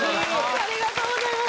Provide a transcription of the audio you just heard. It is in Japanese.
ありがとうございます。